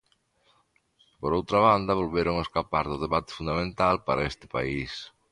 Por outra banda, volveron escapar do debate fundamental para este país.